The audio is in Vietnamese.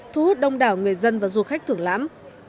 thu hút đông đảo người dân và du khách thưởng lãm